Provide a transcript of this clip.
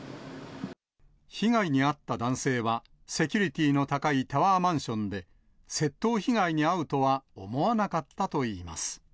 被害に遭った男性は、セキュリティーの高いタワーマンションで、窃盗被害に遭うとは思わなかったといいます。